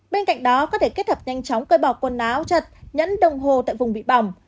bên cạnh đó có thể kết hợp nhanh chóng cơ bỏ quần áo chật nhẫn đồng hồ tại vùng bị bỏng